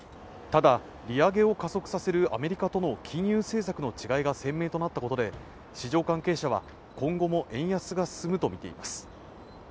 ただ、利上げを加速させるアメリカとの金融政策の違いが鮮明となったことで市場関係者は、今後も円安が進むとみています。